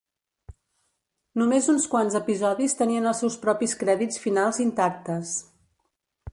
Només uns quants episodis tenien els seus propis crèdits finals intactes.